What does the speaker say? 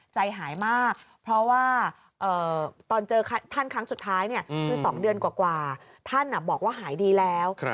ใจหายมากเพราะว่าตอนเจอท่านครั้งสุดท้ายคือ๒เดือนกว่าท่านบอกว่าหายดีแล้ว